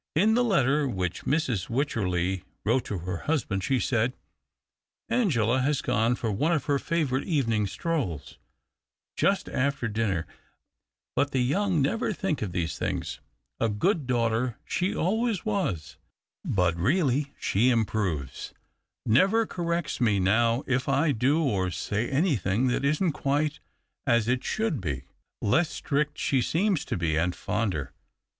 In the letter which Mrs. "VYycherley wrote to her husband, she said —" Angela has gone for one of her favourite evening strolls — just after dinner — l)ut the young never think of these things. A good daughter she always was, but really she 236 THE OCTAVE OF CLAUDIUS. improves. Never corrects me now if I do or say anything that isn't quite as it should be. Less strict she seems to be, and fonder.